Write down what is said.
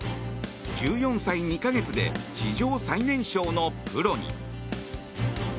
１４歳２か月で史上最年少のプロに。